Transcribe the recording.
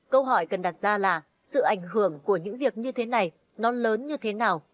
câu hỏi cần đặt ra là sự ảnh hưởng của những việc như thế này nó lớn như thế nào